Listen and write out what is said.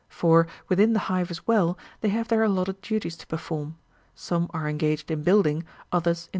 For, within the hive as well, they have their allotted duties to perform : some are engaged in building, others in.